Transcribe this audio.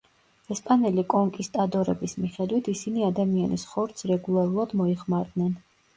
ესპანელი კონკისტადორების მიხედვით, ისინი ადამიანის ხორცს რეგულარულად მოიხმარდნენ.